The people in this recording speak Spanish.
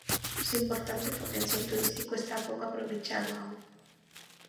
Su importante potencial turístico está poco aprovechado aún.